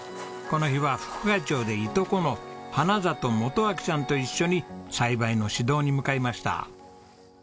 この日は副会長でいとこの花里元明さんと一緒に栽培の指導に向かいました。